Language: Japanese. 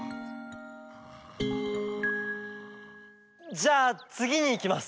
じゃあつぎにいきます。